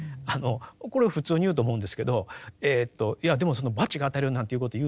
これ普通に言うと思うんですけどいやでもその罰が当たるよなんていうことを言うとですね